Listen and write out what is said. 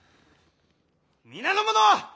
皆の者！